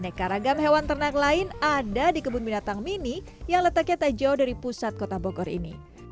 nekat ragam hewan ternak lain ada di kebun binatang mini yang letaknya tak jauh dari pusat kota bogor ini